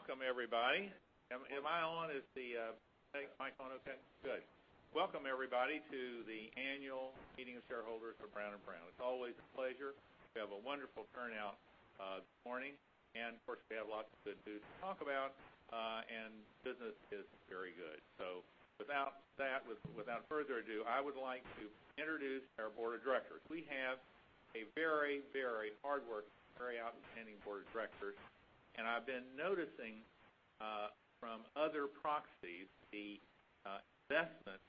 Welcome everybody. Am I on? Is the mic on okay? Good. Welcome everybody to the annual meeting of shareholders for Brown & Brown. It's always a pleasure. We have a wonderful turnout this morning, and of course, we have lots of good news to talk about, and business is very good. Without further ado, I would like to introduce our board of directors. We have a very hardworking, very outstanding board of directors, and I've been noticing from other proxies the investments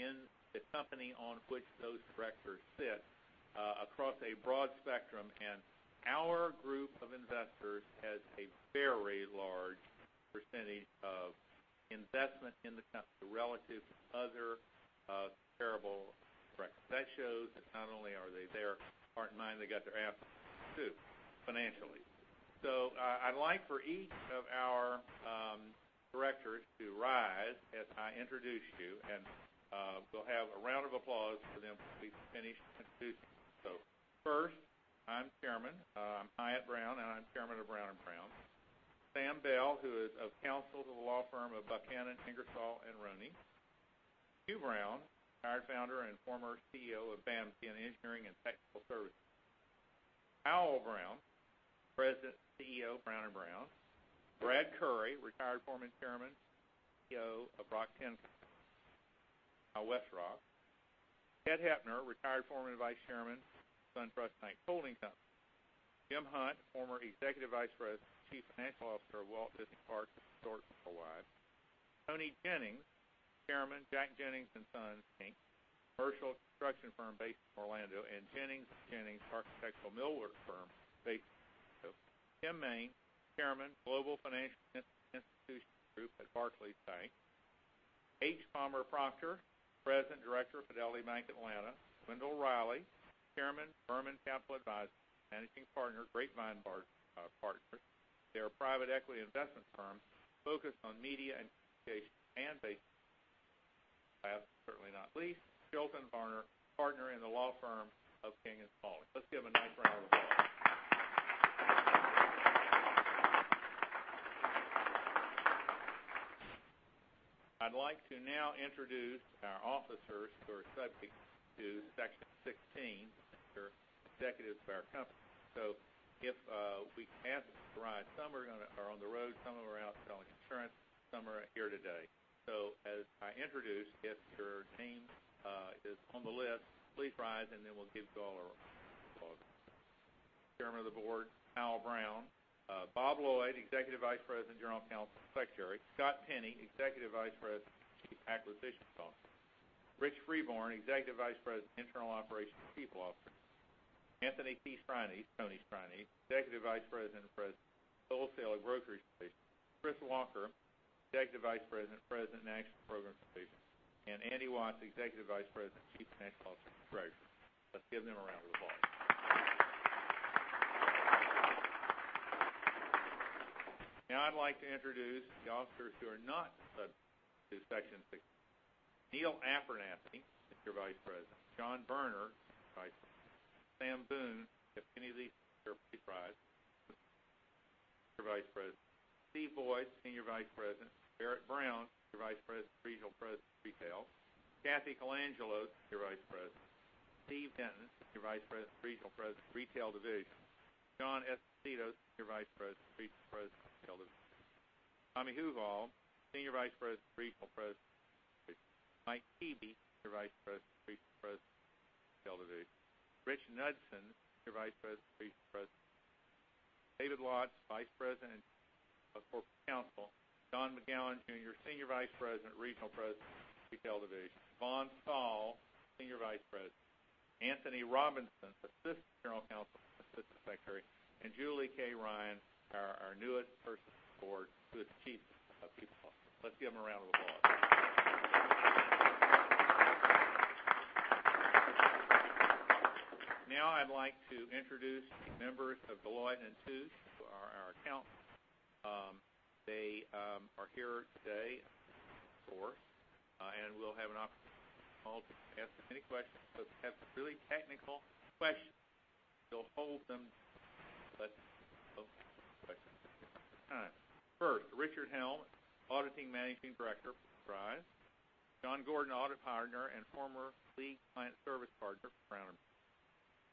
in the company on which those directors sit across a broad spectrum, and our group of investors has a very large percentage of investment in the company relative to other comparable directors. That shows that not only are they there heart and mind, they got their ass too, financially. I'd like for each of our directors to rise as I introduce you, and we'll have a round of applause for them as we finish introducing. First, I'm chairman. I'm Hyatt Brown, and I'm chairman of Brown & Brown. Sam Bell, who is of counsel to the law firm of Buchanan Ingersoll & Rooney. Hugh Brown, retired founder and former CEO of BAMSI, Inc. Powell Brown, president and CEO of Brown & Brown. Brad Currey, retired former chairman and CEO of Rock-Tenn, now WestRock. Ted Hoepner, retired former vice chairman, SunTrust Banks, Inc. Jim Hunt, former executive vice president and chief financial officer of Walt Disney Parks and Resorts and his wife. Toni Jennings, chairman, Jack Jennings & Sons, Inc., a commercial construction firm based in Orlando, and Jennings & Jennings architectural millwork firm based in Chicago. Tim Main, chairman, Global Financial Institutions Group at Barclays Bank. H. Palmer Proctor, president and director of Fidelity Bank of Atlanta. Wendell Reilly, chairman, Furman Capital Advisors, managing partner, Grapevine Partners. They're a private equity investment firm focused on media and communications and based in Atlanta. Last but certainly not least, Chilton Varner, partner in the law firm of King & Spalding. Let's give a nice round of applause. I'd like to now introduce our officers who are subject to Section 16 because they're executives of our company. If we can ask them to rise. Some are on the road, some of them are out selling insurance, some are here today. As I introduce, if your name is on the list, please rise, and then we'll give you all a round of applause. Chairman of the board, Powell Brown. Bob Lloyd, executive vice president, general counsel, and secretary. Scott Penny, executive vice president and chief acquisition officer. Rich Freeborn, Executive Vice President, Internal Operations and People Officer. Anthony P. Strianese, Tony Strianese, Executive Vice President and President, Wholesale Brokerage Division. Chris Walker, Executive Vice President, National Programs Division. Andy Watts, Executive Vice President and Chief Financial Officer and Treasurer. Let's give them a round of applause. Now I'd like to introduce the officers who are not subject to Section 16. Neal Aton, senior vice president. John Berner, senior vice president. Sam Boone, if any of these are here, please rise. Senior vice president. Steve Boyd, senior vice president. Barrett Brown, senior vice president, regional president, retail. Kathy Colangelo, senior vice president. Steve Denton, senior vice president, regional president, retail division. John Esposito, senior vice president, regional president, retail division. Tommy Huval, senior vice president, regional president, retail division. Mike Keeby, Senior Vice President, Regional President, Retail Division. Rich Knudson, Senior Vice President, Regional President, Retail Division. David Lodge, Vice President and Corporate Counsel. Don McGowan Jr., Senior Vice President, Regional President, Retail Division. Vaughn Stoll, Senior Vice President. Anthony Robinson, Assistant General Counsel and Assistant Secretary. Julie K. Ryan, our newest person on board, who is Chief People Officer. Let's give them a round of applause. I'd like to introduce members of Deloitte & Touche, who are our accountants. They are here today, of course, and we'll have an opportunity to ask them any questions. If you have some really technical questions, you'll hold them. Let's welcome questions. First, Richard Helm, Auditing Managing Director. Please rise. John Gordon, Audit Partner and former Lead Client Service Partner for Brown & Brown.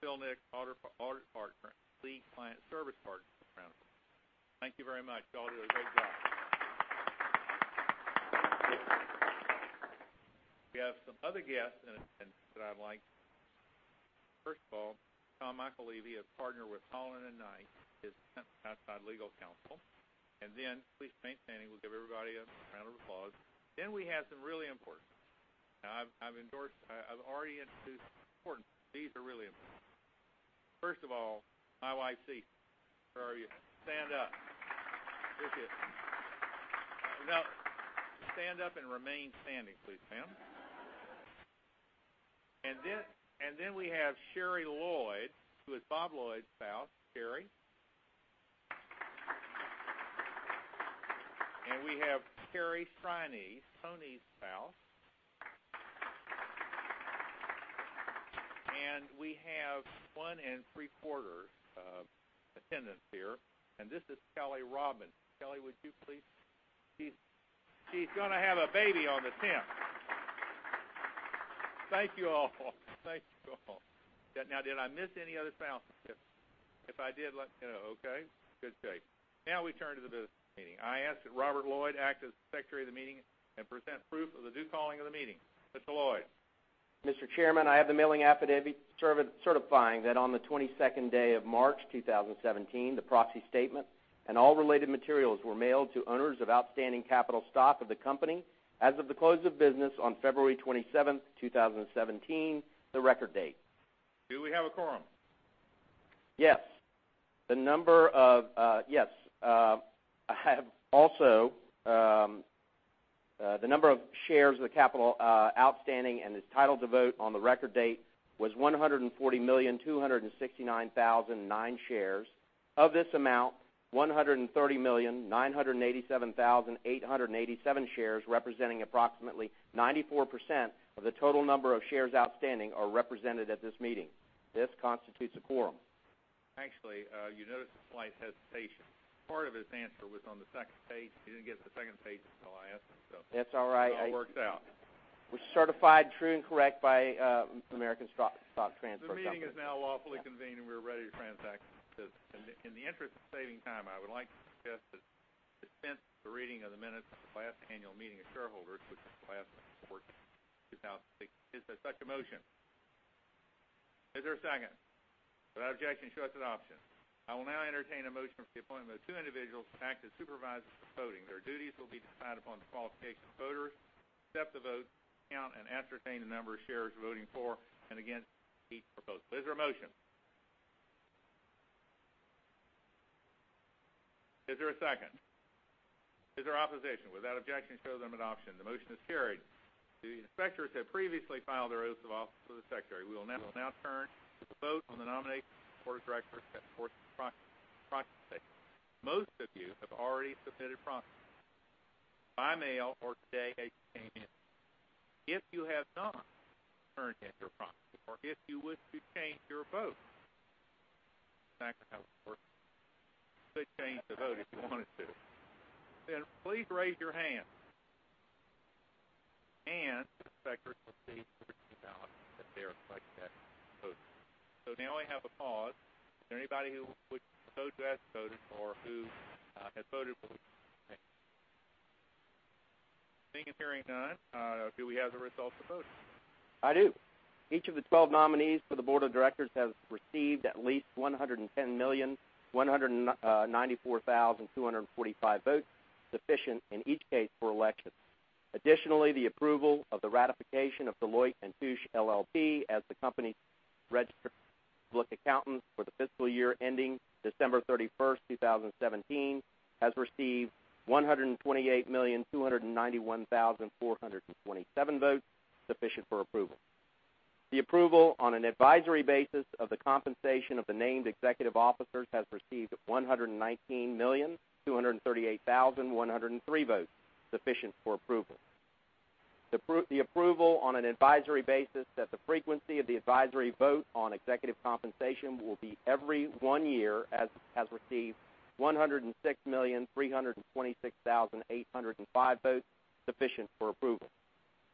Bill Nix, Audit Partner and Lead Client Service Partner for Brown & Brown. Thank you very much. You all did a great job. We have some other guests in attendance that I would like to recognize. First of all, Tom Michael Levy, a Partner with Holland & Knight, is outside legal counsel. Please remain standing. We'll give everybody a round of applause. We have some really important people. I've already introduced some important people. These are really important. First of all, my wifey. Where are you? Stand up. Where is she? No, stand up and remain standing, please, ma'am. We have Sherry Lloyd, who is Bob Lloyd's spouse. Sherry. We have Carrie Strianese, Tony's spouse. One and three-quarters attendance here, and this is Kelly Robbins. Kelly, would you please? She's going to have a baby on the 10th. Thank you all. Thank you all. Did I miss any other spouses? If I did, let me know. Okay. Good day. We turn to the business meeting. I ask that Robert Lloyd act as Secretary of the Meeting and present proof of the due calling of the meeting. Mr. Lloyd. Mr. Chairman, I have the mailing affidavit certifying that on the 22nd day of March 2017, the proxy statement and all related materials were mailed to owners of outstanding capital stock of the company as of the close of business on February 27th, 2017, the record date. Do we have a quorum? Yes. The number of shares of the capital outstanding and is entitled to vote on the record date was 140,269,009 shares. Of this amount, 130,987,887 shares, representing approximately 94% of the total number of shares outstanding, are represented at this meeting. This constitutes a quorum. Actually, you noticed a slight hesitation. Part of his answer was on the second page. He didn't get to the second page until I asked him. That's all right. It all works out. Which certified true and correct by American Stock Transfer Company. We are ready to transact business. In the interest of saving time, I would like to suggest that we dispense with the reading of the minutes of the last annual meeting of shareholders, which was last March 2016. Is there such a motion? Is there a second? Without objection, so ordered. I will now entertain a motion for the appointment of two individuals to act as supervisors of voting. Their duties will be to decide upon the qualification of voters, accept the vote, count, and ascertain the number of shares voting for and against each proposed. Is there a motion? Is there a second? Is there opposition? Without objection, so ordered. The motion is carried. The inspectors have previously filed their oaths of office with the secretary. We will now turn to the vote on the nomination of the board of directors set forth in the proxy statement. Most of you have already submitted proxies by mail or today as you came in. If you have not turned in your proxy, or if you wish to change your vote, that's not going to work. You could change the vote if you wanted to. Please raise your hand, and the secretary will see that you're acknowledged that they reflect that in the voting. Now I have a pause. Is there anybody who would oppose who has voted or who has voted but would like to change? Seeing and hearing none, do we have the results of the vote? I do. Each of the 12 nominees for the board of directors has received at least 110,194,245 votes, sufficient in each case for election. Additionally, the approval of the ratification of Deloitte & Touche LLP as the company's registered public accountant for the fiscal year ending December 31st, 2017, has received 128,291,427 votes, sufficient for approval. The approval on an advisory basis of the compensation of the named executive officers has received 119,238,103 votes, sufficient for approval. The approval on an advisory basis that the frequency of the advisory vote on executive compensation will be every one year has received 106,326,805 votes, sufficient for approval.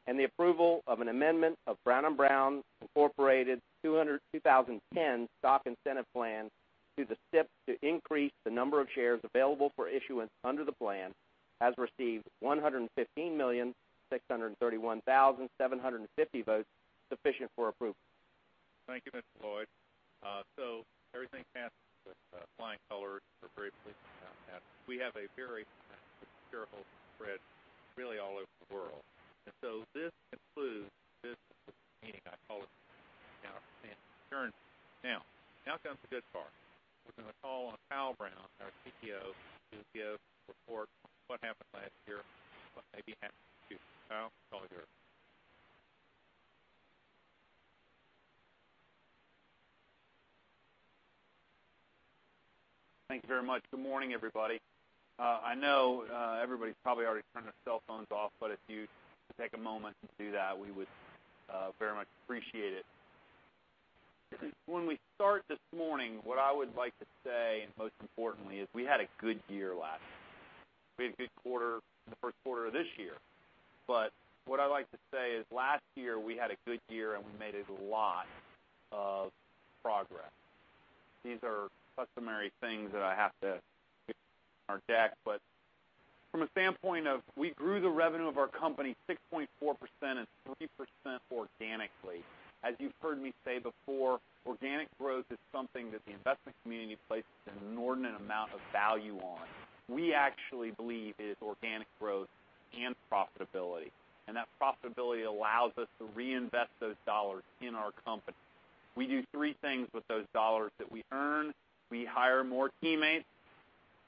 The approval of an amendment of Brown & Brown, Inc. 2010 Stock Incentive Plan to the step to increase the number of shares available for issuance under the plan has received 115,631,750 votes, sufficient for approval. Thank you, Mr. Lloyd. Everything passed with flying colors as far as we can count that. We have a very shareholders spread really all over the world. This concludes this meeting. I call it to order. Now comes the good part. We're going to call on Powell Brown, our CEO, to give a report on what happened last year, what may be happening too. Powell, it's all yours. Thank you very much. Good morning, everybody. I know everybody's probably already turned their cell phones off, but if you take a moment to do that, we would very much appreciate it. When we start this morning, what I would like to say, and most importantly, is we had a good year last year. We had a good quarter the first quarter of this year. What I'd like to say is last year, we had a good year, and we made a lot of progress. These are customary things that I have to our deck, but from a standpoint of we grew the revenue of our company 6.4% and 3% organically. As you've heard me say before, organic growth is something that the investment community places an inordinate amount of value on. We actually believe it is organic growth and profitability, and that profitability allows us to reinvest those dollars in our company. We do three things with those dollars that we earn. We hire more teammates,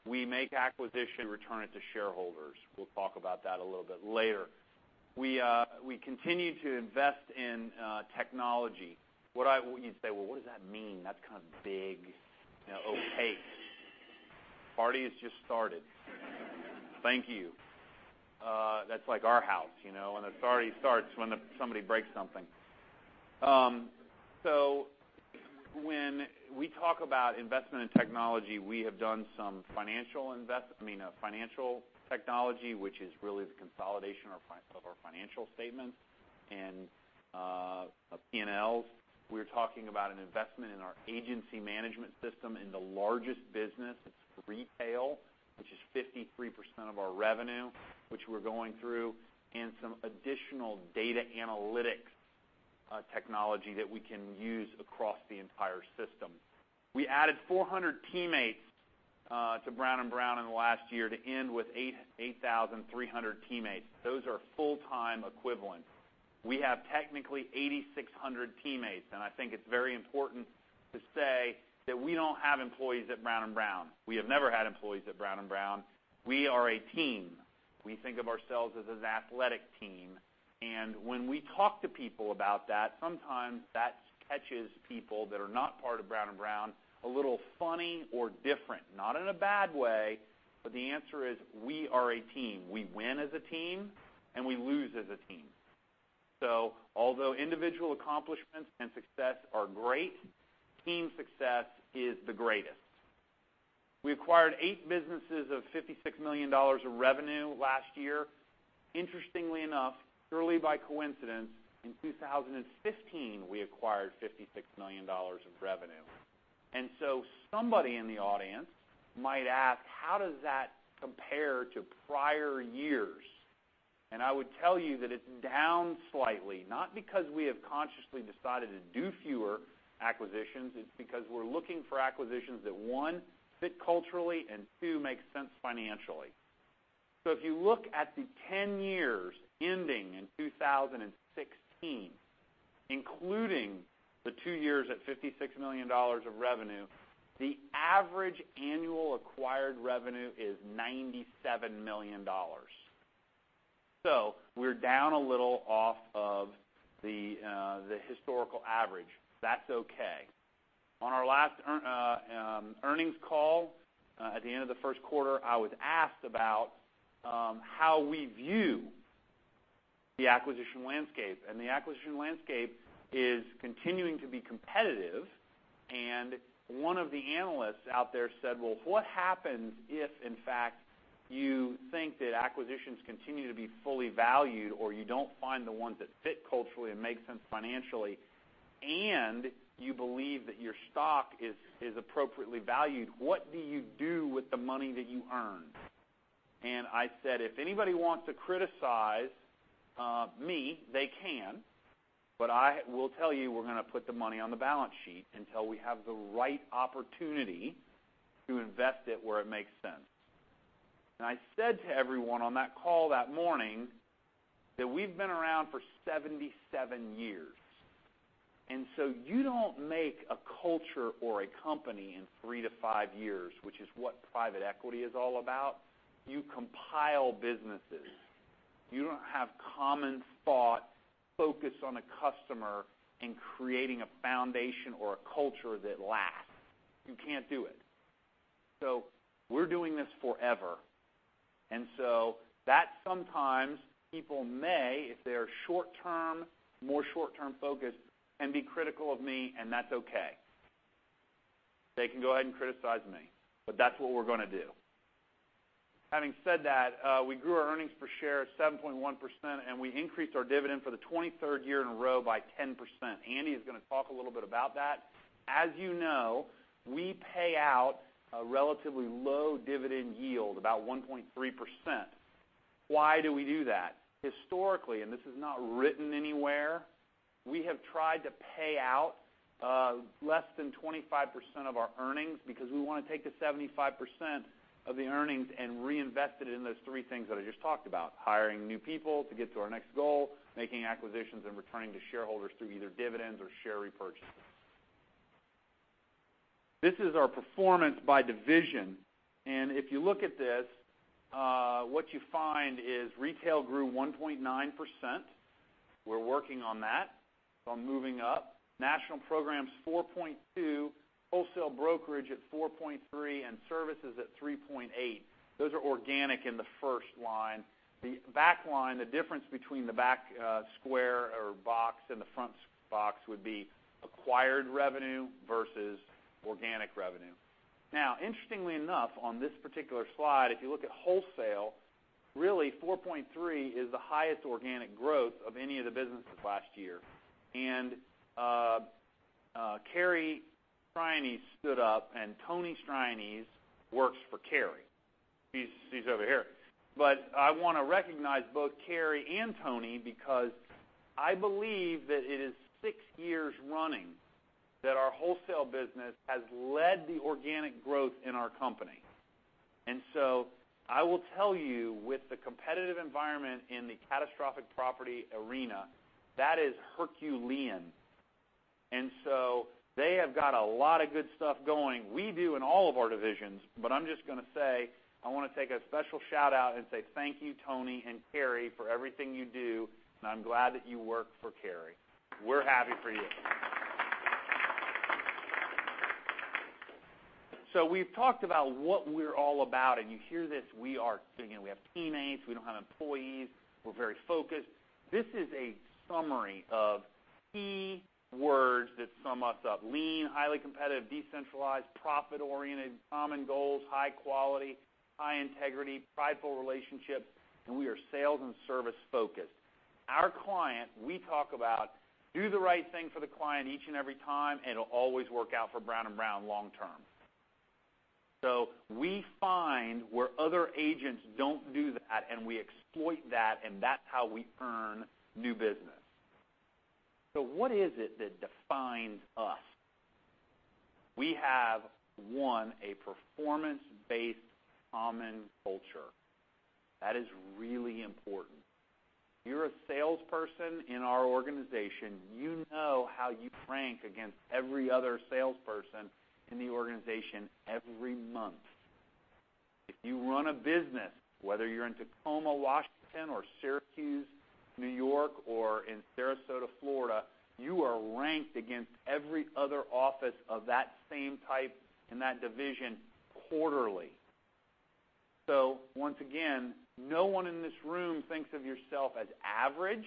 we make acquisition, return it to shareholders. We'll talk about that a little bit later. We continue to invest in technology. You'd say, "Well, what does that mean? That's kind of big, opaque." Party has just started. Thank you. That's like our house, a party starts when somebody breaks something. When we talk about investment in technology, we have done some financial technology, which is really the consolidation of our financial statements and P&Ls. We're talking about an investment in our agency management system in the largest business. It's retail, which is 53% of our revenue, which we're going through, and some additional data analytics technology that we can use across the entire system. We added 400 teammates to Brown & Brown in the last year to end with 8,300 teammates. Those are full-time equivalents. We have technically 8,600 teammates, and I think it's very important to say that we don't have employees at Brown & Brown. We have never had employees at Brown & Brown. We are a team. We think of ourselves as an athletic team, and when we talk to people about that, sometimes that catches people that are not part of Brown & Brown, a little funny or different. Not in a bad way, but the answer is we are a team. We win as a team, and we lose as a team. Although individual accomplishments and success are great, team success is the greatest. We acquired eight businesses of $56 million of revenue last year. Interestingly enough, surely by coincidence, in 2015, we acquired $56 million of revenue. Somebody in the audience might ask, "How does that compare to prior years?" I would tell you that it's down slightly, not because we have consciously decided to do fewer acquisitions. It's because we're looking for acquisitions that, one, fit culturally, and two, make sense financially. If you look at the 10 years ending in 2016, including the two years at $56 million of revenue, the average annual acquired revenue is $97 million. We're down a little off of the historical average. That's okay. On our last earnings call at the end of the first quarter, I was asked about how we view the acquisition landscape, and the acquisition landscape is continuing to be competitive. One of the analysts out there said, "Well, what happens if, in fact, you think that acquisitions continue to be fully valued or you don't find the ones that fit culturally and make sense financially, and you believe that your stock is appropriately valued? What do you do with the money that you earn?" I said, "If anybody wants to criticize me, they can, but I will tell you, we're going to put the money on the balance sheet until we have the right opportunity to invest it where it makes sense." I said to everyone on that call that morning that we've been around for 77 years, and so you don't make a culture or a company in three to five years, which is what private equity is all about. You compile businesses. You don't have common thought focused on a customer and creating a foundation or a culture that lasts. You can't do it. We're doing this forever, and so that sometimes people may, if they're short-term, more short-term focused, and be critical of me, and that's okay. They can go ahead and criticize me. That's what we're going to do. Having said that, we grew our earnings per share 7.1%, and we increased our dividend for the 23rd year in a row by 10%. Andy is going to talk a little bit about that. As you know, we pay out a relatively low dividend yield, about 1.3%. Why do we do that? Historically, and this is not written anywhere, we have tried to pay out less than 25% of our earnings because we want to take the 75% of the earnings and reinvest it in those three things that I just talked about, hiring new people to get to our next goal, making acquisitions, and returning to shareholders through either dividends or share repurchases. This is our performance by division, and if you look at this, what you find is retail grew 1.9%. We're working on that, so moving up. National Programs, 4.2. Wholesale Brokerage at 4.3, services at 3.8. Those are organic in the first line. The back line, the difference between the back square or box and the front box would be acquired revenue versus organic revenue. Interestingly enough, on this particular slide, if you look at Wholesale, really, 4.3 is the highest organic growth of any of the businesses last year. Carrie Strianese stood up, Tony Strianese works for Carrie. He's over here. I want to recognize both Carrie and Tony because I believe that it is six years running that our wholesale business has led the organic growth in our company. I will tell you, with the competitive environment in the catastrophic property arena, that is Herculean. They have got a lot of good stuff going. We do in all of our divisions, I'm just going to say, I want to take a special shout-out and say thank you, Tony and Carrie, for everything you do, and I'm glad that you work for Carrie. We're happy for you. We've talked about what we're all about, you hear this, we have teammates, we don't have employees, we're very focused. This is a summary of keywords that sum us up. Lean, highly competitive, decentralized, profit-oriented, common goals, high quality, high integrity, prideful relationships, we are sales and service focused. Our client, we talk about do the right thing for the client each and every time. It'll always work out for Brown & Brown long term. We find where other agents don't do that, we exploit that's how we earn new business. What is it that defines us? We have, one, a performance-based common culture. That is really important. If you're a salesperson in our organization, you know how you rank against every other salesperson in the organization every month. If you run a business, whether you're in Tacoma, Washington, or Syracuse, New York, or in Sarasota, Florida, you are ranked against every other office of that same type in that division quarterly. Once again, no one in this room thinks of yourself as average.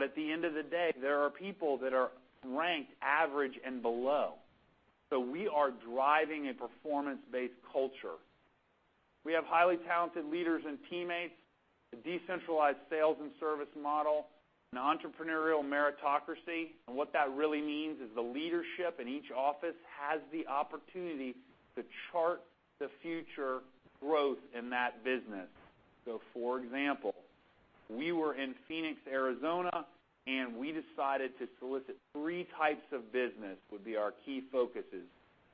At the end of the day, there are people that are ranked average and below. We are driving a performance-based culture. We have highly talented leaders and teammates, a decentralized sales and service model, an entrepreneurial meritocracy. What that really means is the leadership in each office has the opportunity to chart the future growth in that business. For example, we were in Phoenix, Arizona, and we decided to solicit 3 types of business would be our key focuses,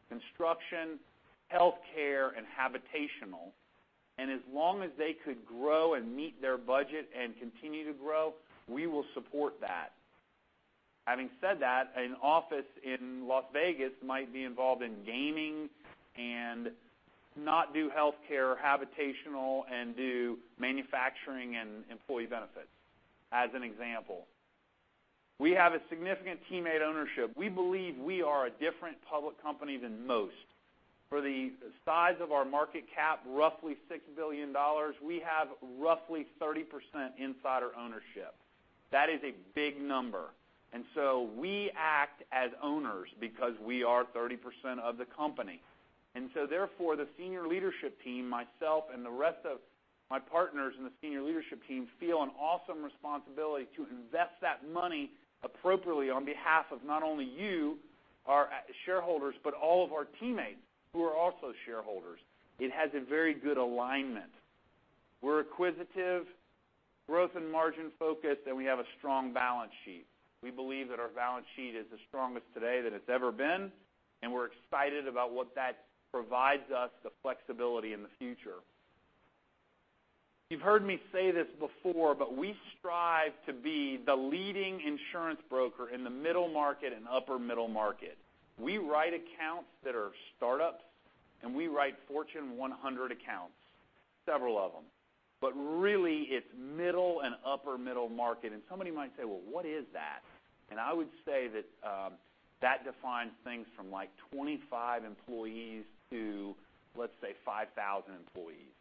construction, healthcare, and habitational. As long as they could grow and meet their budget and continue to grow, we will support that. Having said that, an office in Las Vegas might be involved in gaming and not do healthcare, habitational, and do manufacturing and employee benefits, as an example. We have a significant teammate ownership. We believe we are a different public company than most. For the size of our market cap, roughly $6 billion, we have roughly 30% insider ownership. That is a big number. We act as owners because we are 30% of the company. Therefore, the senior leadership team, myself, and the rest of my partners in the senior leadership team feel an awesome responsibility to invest that money appropriately on behalf of not only you, our shareholders, but all of our teammates who are also shareholders. It has a very good alignment. We're acquisitive, growth and margin focused. We have a strong balance sheet. We believe that our balance sheet is the strongest today than it's ever been. We're excited about what that provides us the flexibility in the future. You've heard me say this before, but we strive to be the leading insurance broker in the middle market and upper middle market. We write accounts that are startups. We write Fortune 100 accounts, several of them. Really, it's middle and upper middle market. Somebody might say, "Well, what is that?" I would say that that defines things from 25 employees to, let's say, 5,000 employees.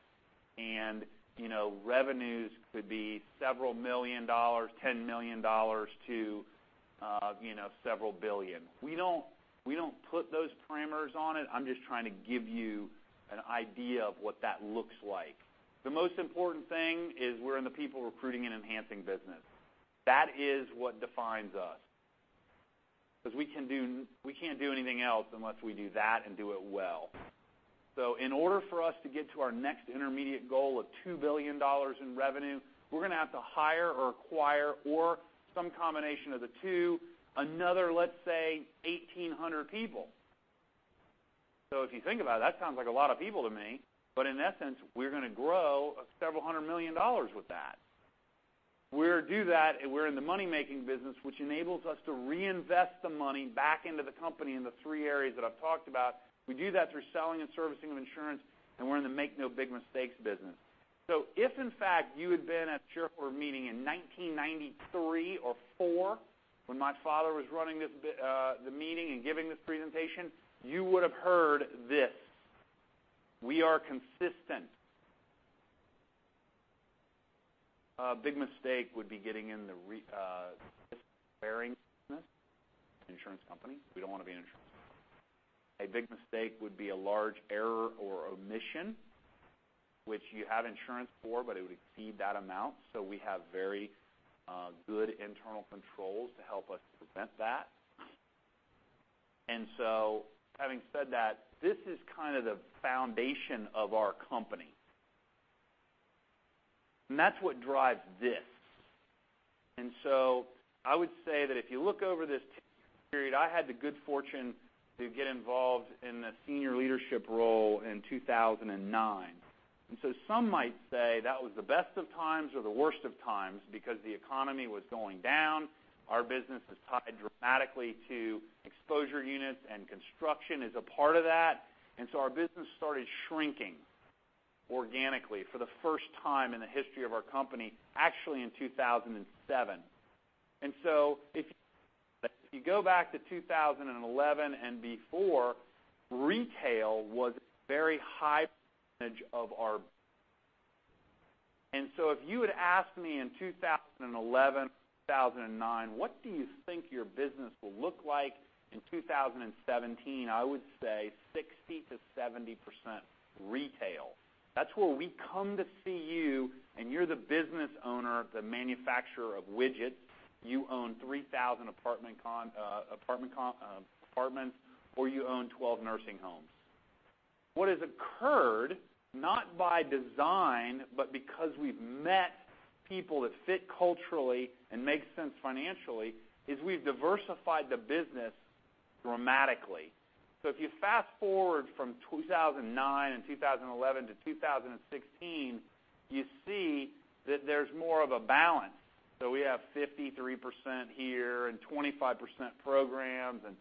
Revenues could be several million dollars, $10 million to several billion. We don't put those parameters on it. I'm just trying to give you an idea of what that looks like. The most important thing is we're in the people recruiting and enhancing business. That is what defines us. Because we can't do anything else unless we do that and do it well. In order for us to get to our next intermediate goal of $2 billion in revenue, we're going to have to hire or acquire or some combination of the two, another, let's say, 1,800 people. If you think about it, that sounds like a lot of people to me, but in essence, we're going to grow several hundred million dollars with that. We'll do that. We're in the money-making business, which enables us to reinvest the money back into the company in the 3 areas that I've talked about. We do that through selling and servicing of insurance. We're in the make no big mistakes business. If, in fact, you had been at a shareholder meeting in 1993 or 1994 when my father was running the meeting and giving this presentation, you would have heard this: We are consistent. A big mistake would be getting in the risk-bearing business, insurance company. We don't want to be an insurance company. A big mistake would be a large error or omission, which you have insurance for, but it would exceed that amount. We have very good internal controls to help us prevent that. Having said that, this is kind of the foundation of our company. That's what drives this. I would say that if you look over this period, I had the good fortune to get involved in the senior leadership role in 2009. Some might say that was the best of times or the worst of times because the economy was going down. Our business is tied dramatically to exposure units, and construction is a part of that. Our business started shrinking. Organically for the first time in the history of our company, actually in 2007. If you go back to 2011 and before, retail was a very high percentage of our. If you had asked me in 2011, 2009, what do you think your business will look like in 2017? I would say 60%-70% retail. That's where we come to see you, and you're the business owner, the manufacturer of widgets. You own 3,000 apartments, or you own 12 nursing homes. What has occurred, not by design, but because we've met people that fit culturally and make sense financially, is we've diversified the business dramatically. If you fast-forward from 2009 and 2011 to 2016, you see that there's more of a balance. We have 53% here and 25% programs, and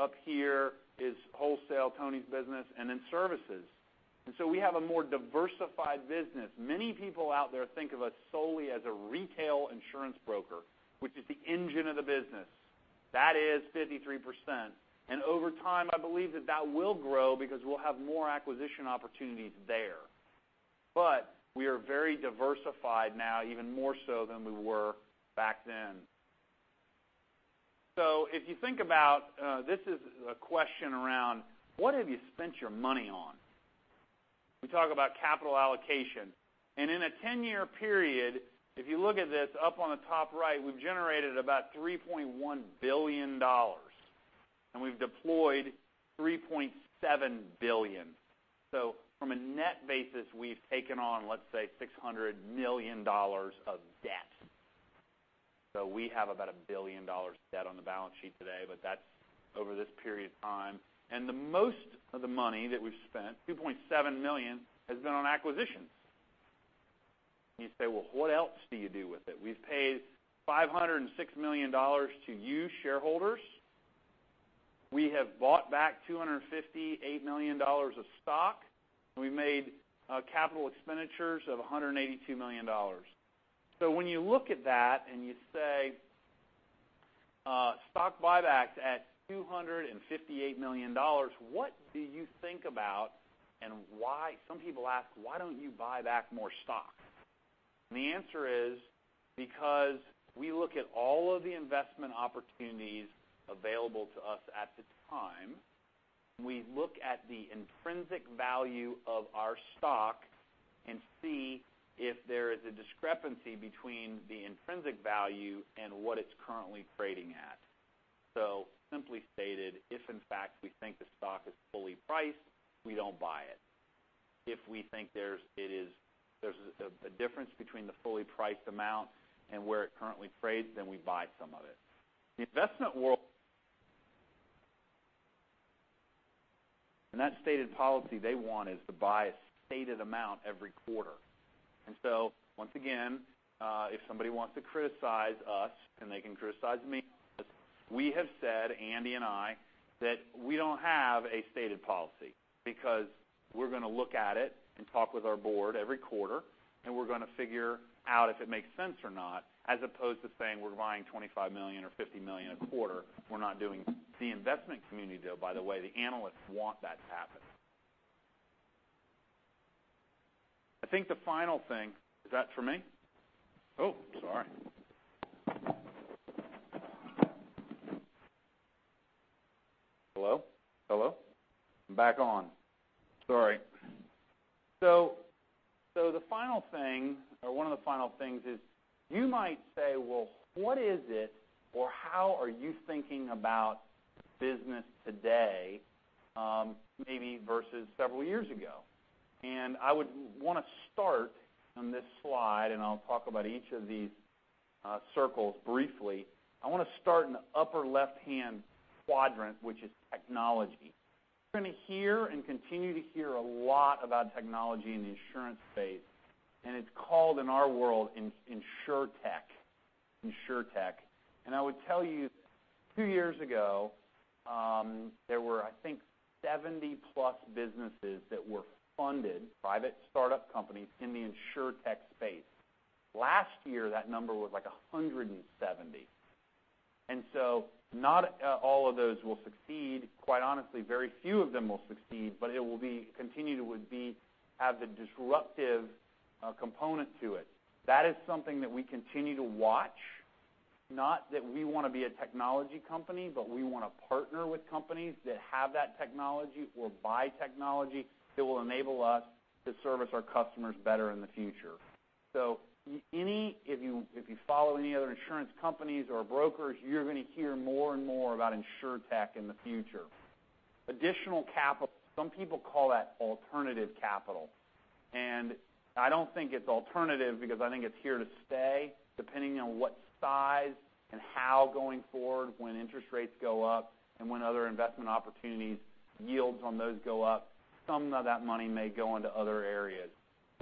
up here is wholesale, Tony's business, and then services. We have a more diversified business. Many people out there think of us solely as a retail insurance broker, which is the engine of the business. That is 53%. Over time, I believe that that will grow because we'll have more acquisition opportunities there. We are very diversified now, even more so than we were back then. If you think about, this is a question around what have you spent your money on? We talk about capital allocation, and in a 10-year period, if you look at this up on the top right, we've generated about $3.1 billion, and we've deployed $3.7 billion. From a net basis, we've taken on, let's say, $600 million of debt. We have about $1 billion debt on the balance sheet today, but that's over this period of time. The most of the money that we've spent, $2.7 million, has been on acquisitions. You say, what else do you do with it? We've paid $506 million to you shareholders. We have bought back $258 million of stock. We made capital expenditures of $182 million. When you look at that and you say, stock buybacks at $258 million, what do you think about and why, some people ask, why don't you buy back more stock? The answer is because we look at all of the investment opportunities available to us at the time. We look at the intrinsic value of our stock and see if there is a discrepancy between the intrinsic value and what it's currently trading at. Simply stated, if in fact we think the stock is fully priced, we don't buy it. If we think there's a difference between the fully priced amount and where it currently trades, we buy some of it. The investment world and that stated policy they want is to buy a stated amount every quarter. Once again, if somebody wants to criticize us and they can criticize me, we have said, Andy and I, that we don't have a stated policy because we're going to look at it and talk with our board every quarter, and we're going to figure out if it makes sense or not, as opposed to saying we're buying $25 million or $50 million a quarter. We're not doing what the investment community do, by the way, the analysts want that to happen. I think the final thing. Is that for me? Oh, sorry. Hello? Hello? I'm back on. Sorry. The final thing, or one of the final things is you might say, well, what is it or how are you thinking about business today maybe versus several years ago? I would want to start on this slide, and I'll talk about each of these circles briefly. I want to start in the upper left-hand quadrant, which is technology. You're going to hear and continue to hear a lot about technology in the insurance space, and it's called in our world Insurtech. I would tell you, two years ago there were, I think, 70 plus businesses that were funded, private startup companies in the Insurtech space. Last year, that number was like 170. Not all of those will succeed. Quite honestly, very few of them will succeed, but it will continue to have the disruptive component to it. That is something that we continue to watch. Not that we want to be a technology company, but we want to partner with companies that have that technology or buy technology that will enable us to service our customers better in the future. If you follow any other insurance companies or brokers, you're going to hear more and more about Insurtech in the future. Additional capital, some people call that alternative capital. I don't think it's alternative because I think it's here to stay, depending on what size and how going forward, when interest rates go up and when other investment opportunities yields on those go up, some of that money may go into other areas.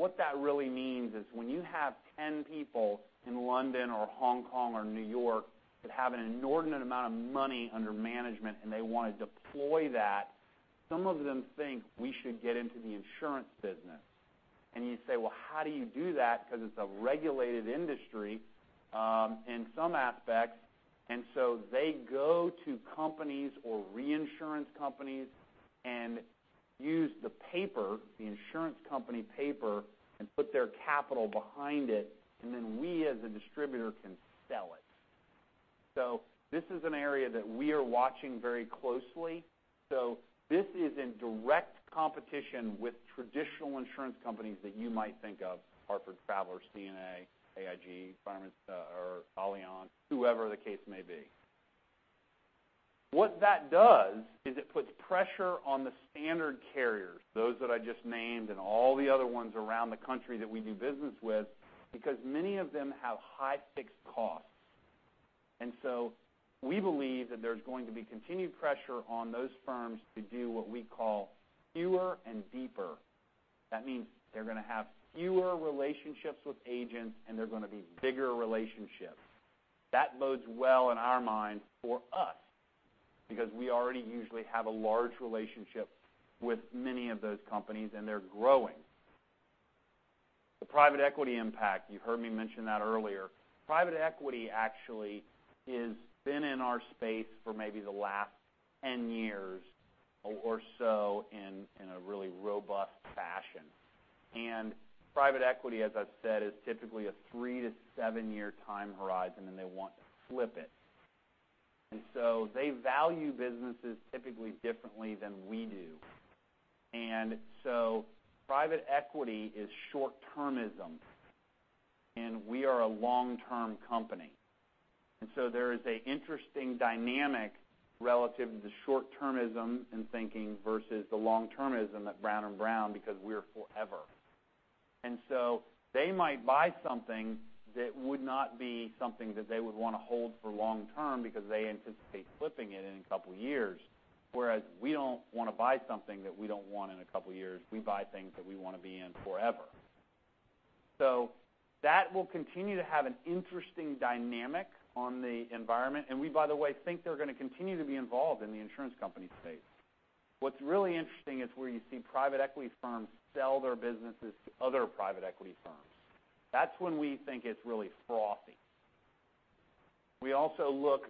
What that really means is when you have 10 people in London or Hong Kong or New York that have an inordinate amount of money under management and they want to deploy that, some of them think we should get into the insurance business. You say, "Well, how do you do that?" Because it's a regulated industry in some aspects. They go to companies or reinsurance companies and use the paper, the insurance company paper, and put their capital behind it, and then we, as a distributor, can sell it. This is an area that we are watching very closely. This is in direct competition with traditional insurance companies that you might think of, The Hartford, Travelers, CNA, AIG, Fireman's Fund or Allianz, whoever the case may be. What that does is it puts pressure on the standard carriers, those that I just named and all the other ones around the country that we do business with, because many of them have high fixed costs. We believe that there's going to be continued pressure on those firms to do what we call fewer and deeper. That means they're going to have fewer relationships with agents, and they're going to be bigger relationships. That bodes well in our mind for us because we already usually have a large relationship with many of those companies, and they're growing. The private equity impact, you heard me mention that earlier. Private equity actually has been in our space for maybe the last 10 years or so in a really robust fashion. Private equity, as I've said, is typically a three- to seven-year time horizon, and they want to flip it. They value businesses typically differently than we do. Private equity is short-termism, and we are a long-term company. There is an interesting dynamic relative to the short-termism in thinking versus the long-termism at Brown & Brown because we're forever. They might buy something that would not be something that they would want to hold for long term because they anticipate flipping it in a couple of years, whereas we don't want to buy something that we don't want in a couple of years. We buy things that we want to be in forever. That will continue to have an interesting dynamic on the environment. We, by the way, think they're going to continue to be involved in the insurance company space. What's really interesting is where you see private equity firms sell their businesses to other private equity firms. That's when we think it's really frothy. We also look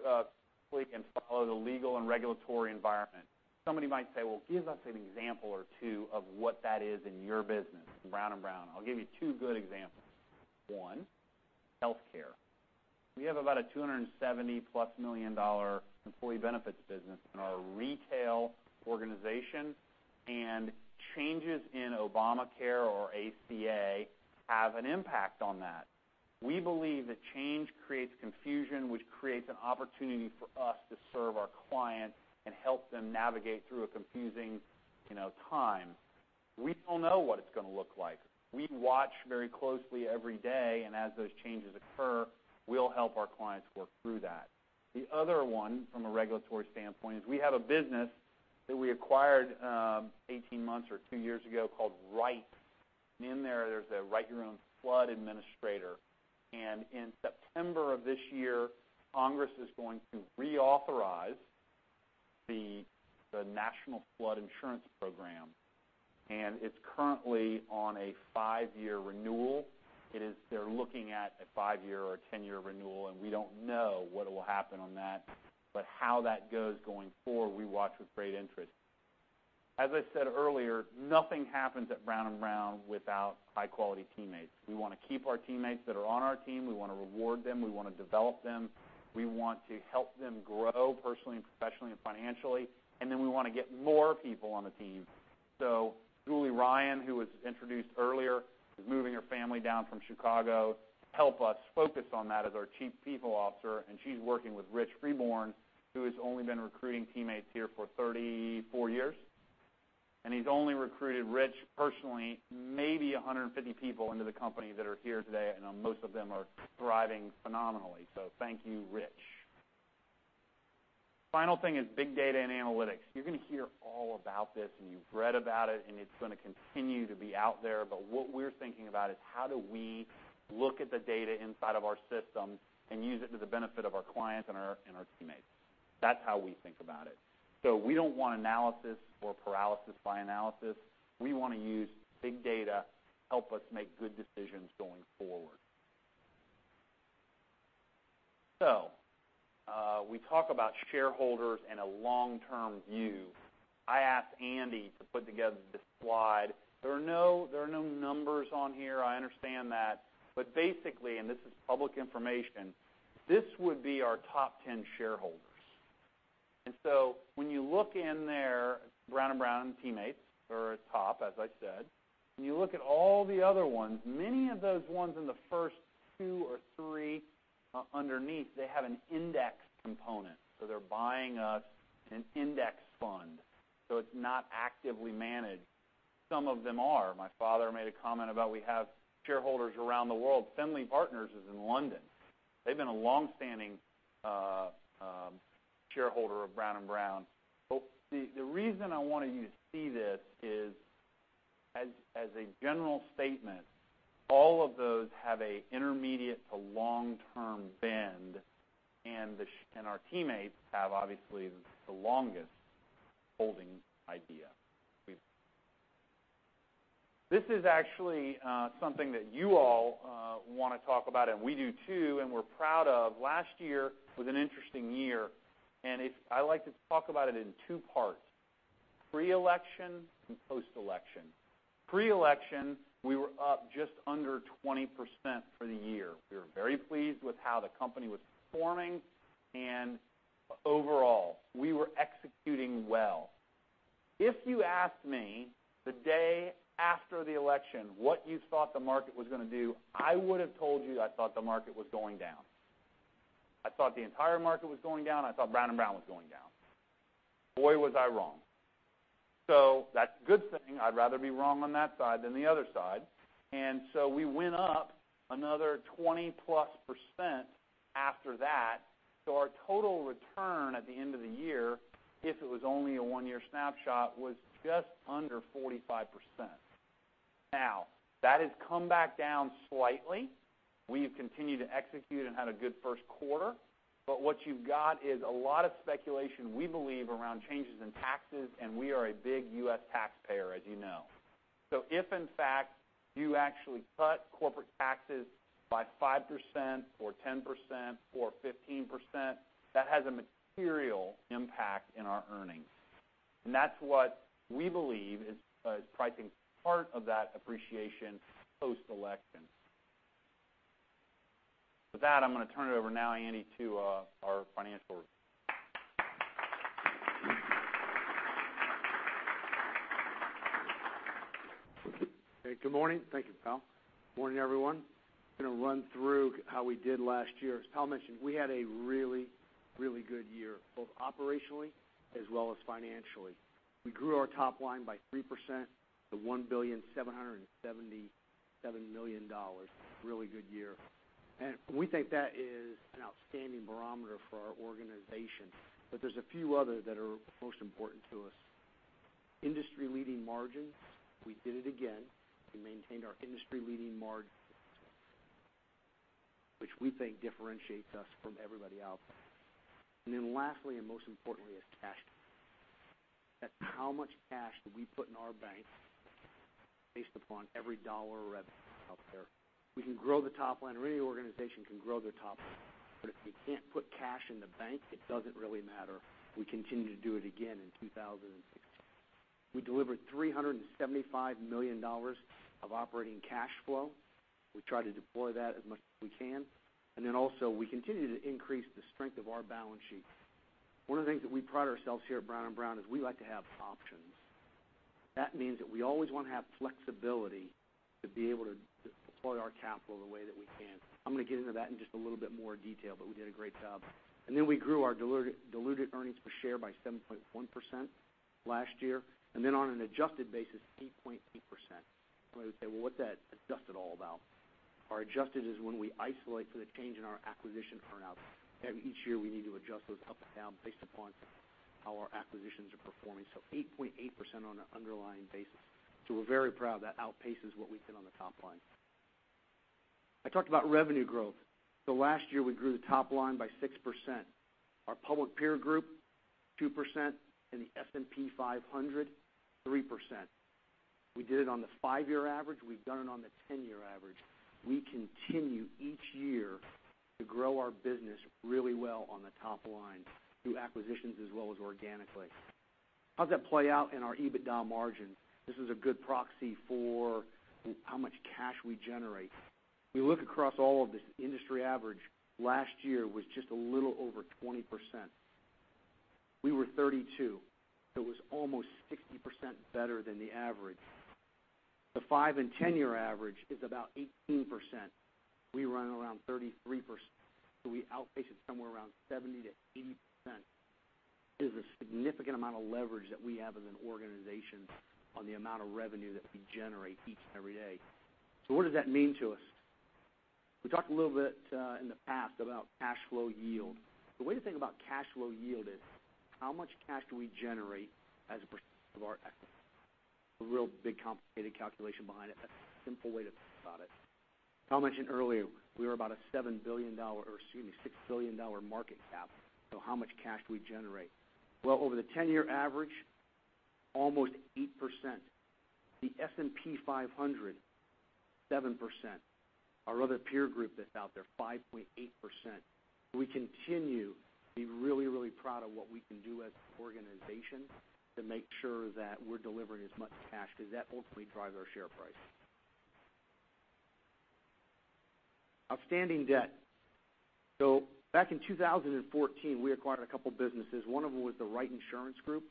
closely and follow the legal and regulatory environment. Somebody might say, "Well, give us an example or two of what that is in your business in Brown & Brown." I'll give you two good examples. One, healthcare. We have about a $270-plus million employee benefits business in our retail organization, and changes in Obamacare or ACA have an impact on that. We believe that change creates confusion, which creates an opportunity for us to serve our clients and help them navigate through a confusing time. We don't know what it's going to look like. We watch very closely every day. As those changes occur, we'll help our clients work through that. The other one from a regulatory standpoint is we have a business that we acquired 18 months or two years ago called Wright. In there's a Write Your Own Flood Administrator. In September of this year, Congress is going to reauthorize the National Flood Insurance Program, and it's currently on a five-year renewal. They're looking at a five-year or 10-year renewal, and we don't know what will happen on that. How that goes going forward, we watch with great interest. As I said earlier, nothing happens at Brown & Brown without high-quality teammates. We want to keep our teammates that are on our team. We want to reward them, we want to develop them. We want to help them grow personally and professionally and financially. We want to get more people on the team. Julie Ryan, who was introduced earlier, is moving her family down from Chicago to help us focus on that as our chief people officer. She's working with Rich Freeborn, who has only been recruiting teammates here for 34 years. He's only recruited, Rich personally, maybe 150 people into the company that are here today. I know most of them are thriving phenomenally. Thank you, Rich. Final thing is big data and analytics. You're going to hear all about this, and you've read about it, and it's going to continue to be out there. What we're thinking about is how do we look at the data inside of our system and use it to the benefit of our clients and our teammates. That's how we think about it. We don't want analysis or paralysis by analysis. We want to use big data to help us make good decisions going forward. We talk about shareholders and a long-term view. I asked Andy to put together this slide. There are no numbers on here. I understand that. Basically, and this is public information, this would be our top 10 shareholders. When you look in there, Brown & Brown teammates are at the top, as I said. When you look at all the other ones, many of those ones in the first two or three underneath, they have an index component. They're buying us an index fund. It's not actively managed. Some of them are. My father made a comment about we have shareholders around the world. Finley Partners is in London. They've been a longstanding shareholder of Brown & Brown. The reason I wanted you to see this is, as a general statement, all of those have an intermediate to long-term bend, and our teammates have, obviously, the longest holding idea. This is actually something that you all want to talk about, and we do too, and we're proud of. Last year was an interesting year. I like to talk about it in two parts, pre-election and post-election. Pre-election, we were up just under 20% for the year. We were very pleased with how the company was performing, and overall, we were executing well. If you asked me the day after the election what you thought the market was going to do, I would've told you I thought the market was going down. I thought the entire market was going down, and I thought Brown & Brown was going down. Boy, was I wrong. That's a good thing. I'd rather be wrong on that side than the other side. We went up another 20-plus % after that, so our total return at the end of the year, if it was only a one-year snapshot, was just under 45%. Now, that has come back down slightly. We've continued to execute and had a good first quarter. What you've got is a lot of speculation, we believe, around changes in taxes, and we are a big U.S. taxpayer, as you know. If, in fact, you actually cut corporate taxes by 5% or 10% or 15%, that has a material impact on our earnings. That's what we believe is pricing part of that appreciation post-election. With that, I'm going to turn it over now, Andy, to our financial. Good morning. Thank you, Powell. Morning, everyone. I'm going to run through how we did last year. As Powell mentioned, we had a really, really good year, both operationally as well as financially. We grew our top line by 3% to $1,777,000,000. Really good year. We think that is an outstanding barometer for our organization. There's a few others that are most important to us. Industry-leading margins, we did it again. We maintained our industry-leading margin, which we think differentiates us from everybody out there. Lastly, and most importantly, is cash. That's how much cash did we put in our bank based upon every dollar of revenue out there. We can grow the top line, or any organization can grow their top line, but if you can't put cash in the bank, it doesn't really matter. We continued to do it again in 2016. We delivered $375 million of operating cash flow. We try to deploy that as much as we can. Also, we continue to increase the strength of our balance sheet. One of the things that we pride ourselves here at Brown & Brown is we like to have options. That means that we always want to have flexibility to be able to deploy our capital the way that we can. I'm going to get into that in just a little bit more detail, but we did a great job. We grew our diluted earnings per share by 7.1% last year. On an adjusted basis, 8.8%. Well, you would say, "Well, what's that adjusted all about?" Our adjusted is when we isolate for the change in our acquisition earn-out. Each year, we need to adjust those up and down based upon how our acquisitions are performing. 8.8% on an underlying basis. We're very proud of that. Outpaces what we did on the top line. I talked about revenue growth. Last year, we grew the top line by 6%. Our public peer group, 2%, and the S&P 500, 3%. We did it on the five-year average, we've done it on the 10-year average. We continue each year to grow our business really well on the top line through acquisitions as well as organically. How's that play out in our EBITDA margin? This is a good proxy for how much cash we generate. We look across all of this industry average. Last year was just a little over 20%. We were 32%. It was almost 60% better than the average. The five and 10-year average is about 18%. We run around 33%, so we outpace it somewhere around 70%-80%. It is a significant amount of leverage that we have as an organization on the amount of revenue that we generate each and every day. What does that mean to us? We talked a little bit in the past about cash flow yield. The way to think about cash flow yield is how much cash do we generate as a percent of our equity? A real big complicated calculation behind it. That's a simple way to think about it. Powell mentioned earlier, we were about a $7 billion, or excuse me, $6 billion market cap. How much cash do we generate? Well, over the 10-year average, almost 8%. The S&P 500, 7%. Our other peer group that's out there, 5.8%. We continue to be really, really proud of what we can do as an organization to make sure that we're delivering as much cash, because that ultimately drives our share price. Outstanding debt. Back in 2014, we acquired a couple businesses. One of them was The Wright Insurance Group,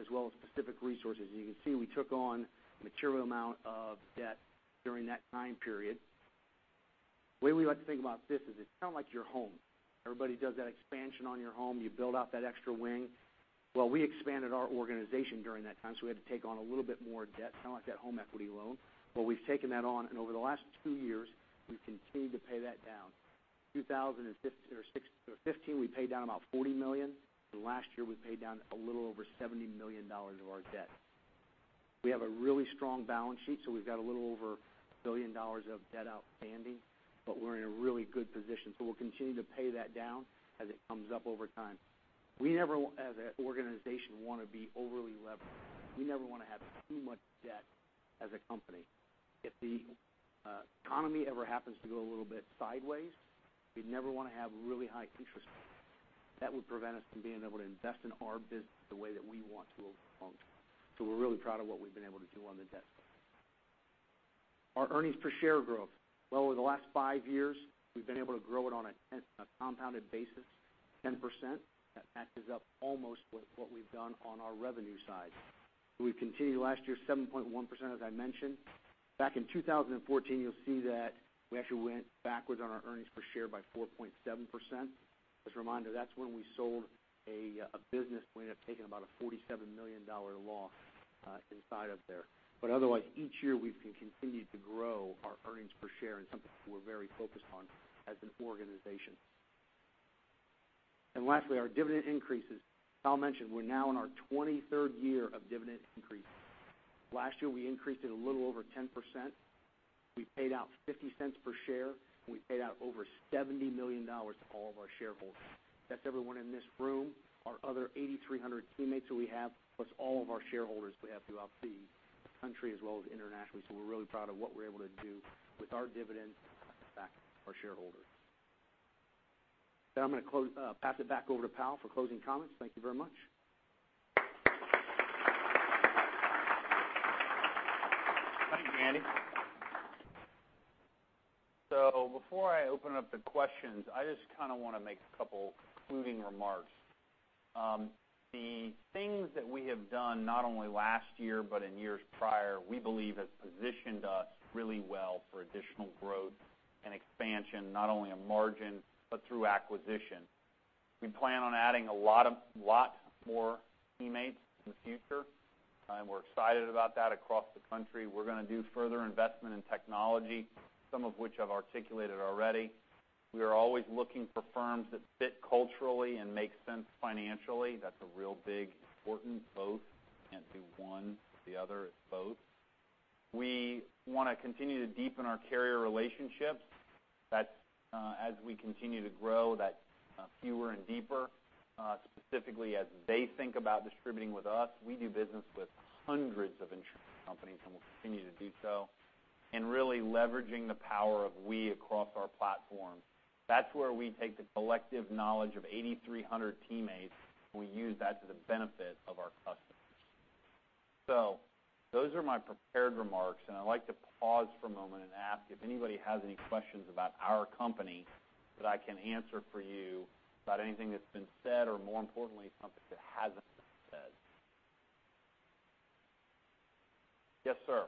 as well as Pacific Resources. As you can see, we took on a material amount of debt during that time period. The way we like to think about this is it's kind of like your home. Everybody does that expansion on your home, you build out that extra wing. Well, we expanded our organization during that time, so we had to take on a little bit more debt, kind of like that home equity loan. But we've taken that on, and over the last two years, we've continued to pay that down. 2015, we paid down about $40 million. Last year, we paid down a little over $70 million of our debt. We have a really strong balance sheet, we've got a little over $1 billion of debt outstanding, but we're in a really good position. We'll continue to pay that down as it comes up over time. We never, as an organization, want to be overly leveraged. We never want to have too much debt as a company. If the economy ever happens to go a little bit sideways, we'd never want to have really high interest rates. That would prevent us from being able to invest in our business the way that we want to over the long term. We're really proud of what we've been able to do on the debt side. Our earnings per share growth. Well, over the last five years, we've been able to grow it on a compounded basis, 10%. That matches up almost with what we've done on our revenue side. We've continued, last year, 7.1%, as I mentioned. Back in 2014, you'll see that we actually went backwards on our earnings per share by 4.7%. As a reminder, that's when we sold a business, we ended up taking about a $47 million loss inside of there. Otherwise, each year, we've continued to grow our earnings per share and something we're very focused on as an organization. Lastly, our dividend increases. Powell mentioned we're now in our 23rd year of dividend increases. Last year, we increased it a little over 10%. We paid out $0.50 per share, and we paid out over $70 million to all of our shareholders. That's everyone in this room, our other 8,300 teammates who we have, plus all of our shareholders we have throughout the country as well as internationally. We're really proud of what we're able to do with our dividends to back our shareholders. With that, I'm going to pass it back over to Powell for closing comments. Thank you very much. Thanks, Andy. Before I open up the questions, I just want to make a couple concluding remarks. The things that we have done not only last year, but in years prior, we believe has positioned us really well for additional growth and expansion, not only in margin, but through acquisition. We plan on adding a lot more teammates in the future. We're excited about that across the country. We're going to do further investment in technology, some of which I've articulated already. We are always looking for firms that fit culturally and make sense financially. That's a real big important both. Can't do one or the other, it's both. We want to continue to deepen our carrier relationships. As we continue to grow, that's fewer and deeper, specifically as they think about distributing with us. We do business with hundreds of insurance companies, and we'll continue to do so. Really leveraging the power of we across our platform. That's where we take the collective knowledge of 8,300 teammates, and we use that to the benefit of our customers. Those are my prepared remarks, and I'd like to pause for a moment and ask if anybody has any questions about our company that I can answer for you about anything that's been said, or more importantly, something that hasn't been said. Yes, sir.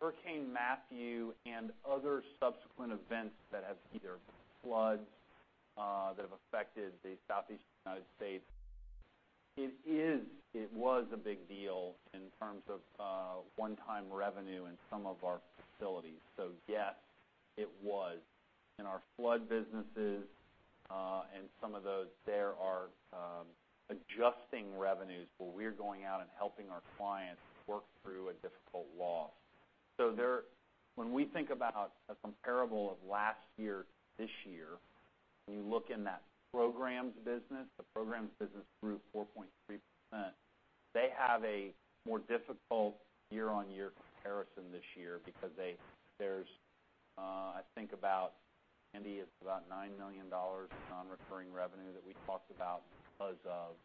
Hurricane Matthew and other subsequent events that have either been floods that have affected the Southeastern U.S. It was a big deal in terms of one-time revenue in some of our facilities. Yes, it was. In our flood businesses, and some of those there are adjusting revenues, but we're going out and helping our clients work through a difficult loss. When we think about a comparable of last year to this year When you look in that programs business, the programs business grew 4.3%. They have a more difficult year-over-year comparison this year because there's, I think about, Andy, it's about $9 million of non-recurring revenue that we talked about because of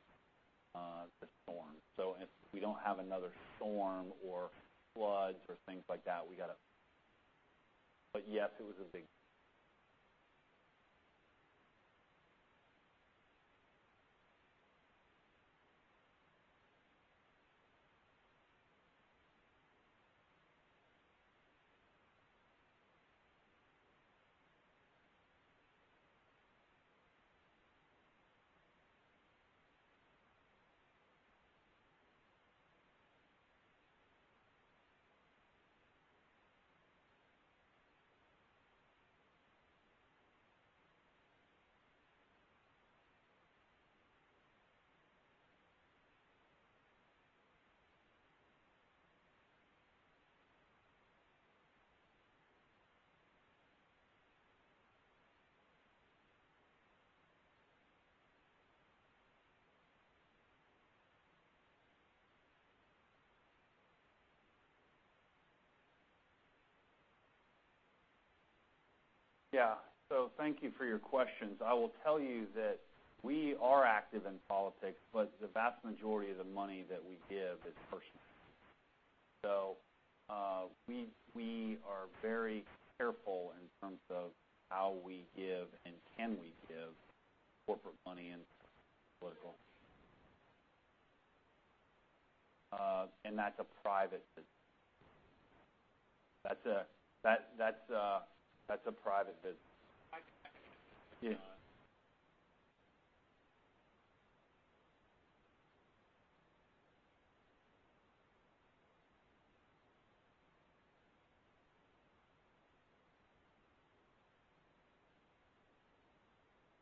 the storm. If we don't have another storm or floods or things like that, yes, it was a big Yeah. Thank you for your questions. I will tell you that we are active in politics, but the vast majority of the money that we give is personal. We are very careful in terms of how we give and can we give corporate money in political That's a private business. That's a private business. I think. Yeah.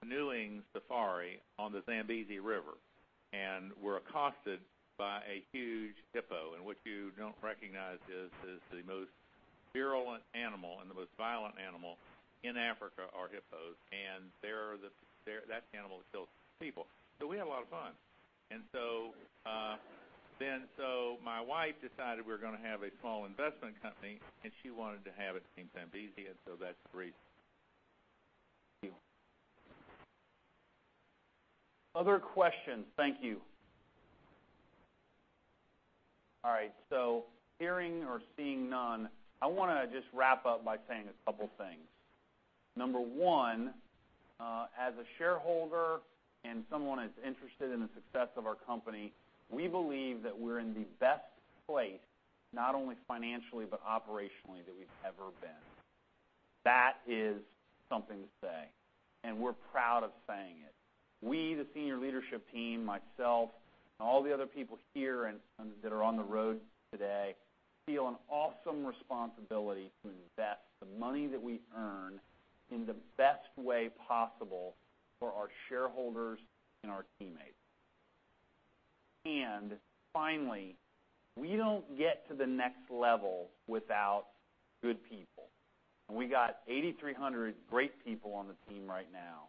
Canoeing safari on the Zambezi River, were accosted by a huge hippo. What you don't recognize is the most virulent animal and the most violent animal in Africa are hippos, that's the animal that kills people. We had a lot of fun. My wife decided we were going to have a small investment company, she wanted to have it named Zambezi, that's the reason. Other questions? Thank you. All right. Hearing or seeing none, I want to just wrap up by saying a couple things. Number one, as a shareholder and someone that's interested in the success of our company, we believe that we're in the best place, not only financially but operationally, that we've ever been. That is something to say, and we're proud of saying it. We, the senior leadership team, myself, and all the other people here and that are on the road today, feel an awesome responsibility to invest the money that we earn in the best way possible for our shareholders and our teammates. Finally, we don't get to the next level without good people, we got 8,300 great people on the team right now.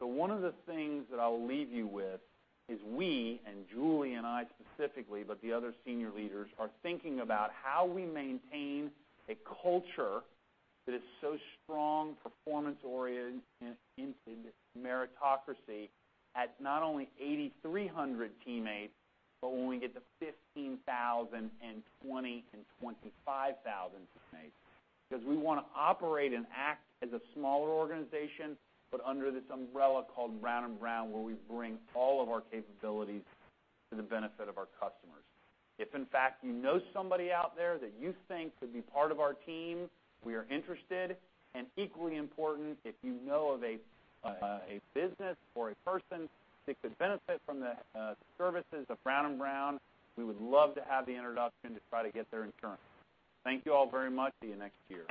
One of the things that I'll leave you with is we, and Julie and I specifically, but the other senior leaders, are thinking about how we maintain a culture that is so strong, performance-oriented, meritocracy at not only 8,300 teammates, but when we get to 15,000 and 20,000 and 25,000 teammates. We want to operate and act as a smaller organization, but under this umbrella called Brown & Brown, where we bring all of our capabilities to the benefit of our customers. If, in fact, you know somebody out there that you think could be part of our team, we are interested. Equally important, if you know of a business or a person that could benefit from the services of Brown & Brown, we would love to have the introduction to try to get their insurance. Thank you all very much. See you next year.